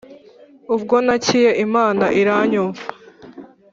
ubwo ntakiye imana iranyumva